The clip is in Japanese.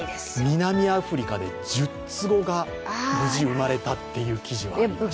南アフリカで十つ子が無事生まれたという記事があります。